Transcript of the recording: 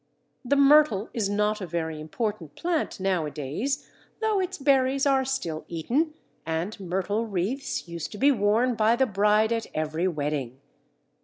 The Myrtle is not a very important plant nowadays, though its berries are still eaten and myrtle wreaths used to be worn by the bride at every wedding.